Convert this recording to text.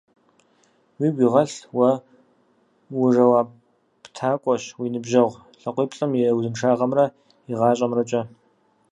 Уигу игъэлъ: уэ ужэуаптакӏуэщ уи ныбжьэгъу лъакъуиплӏым и узыншагъэмрэ и гъащӏэмрэкӏэ.